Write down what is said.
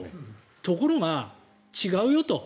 ところが違うよと。